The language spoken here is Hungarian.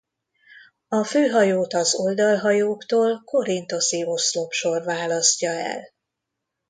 A főhajót az oldalhajóktól korinthoszi oszlopsor választja el.